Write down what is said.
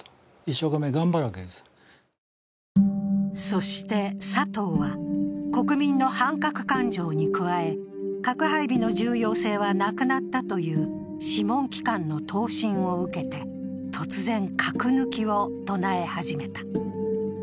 そして、佐藤は国民の反核感情に加え核配備の重要性はなくなったという諮問機関の答申を受けて、突然、核抜きを唱え始めた。